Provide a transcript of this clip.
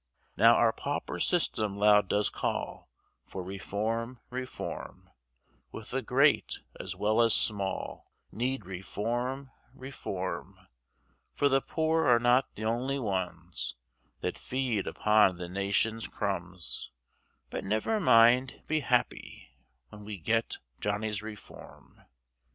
Now our pauper system loud does call For Reform, Reform; With the great as well as small Need Reform, Reform; For the poor are not the only ones, That feed upon the nation's crumbs, But never mind, be happy, When we get Johnny's Reform.